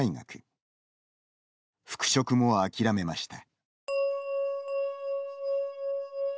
復職もあきらめました。